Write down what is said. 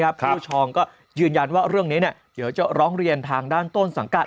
ผู้ชองก็ยืนยันว่าเรื่องนี้เดี๋ยวจะร้องเรียนทางด้านต้นสังกัด